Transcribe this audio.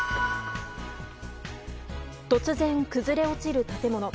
突然、崩れ落ちる建物。